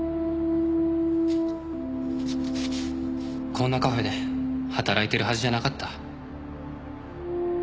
「こんなカフェで働いてるはずじゃなかった」